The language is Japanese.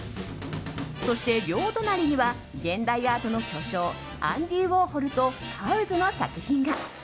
そして両隣には現代アートの巨匠アンディ・ウォーホルとカウズの作品が。